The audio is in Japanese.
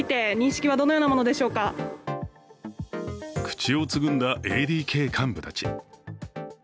口をつぐんだＡＤＫ幹部たち。